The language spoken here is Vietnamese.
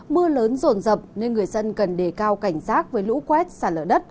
mưa lớn rộn rập nên người dân cần đề cao cảnh giác với lũ quét sản lở đất